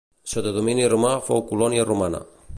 Sota domini romà fou colònia romana.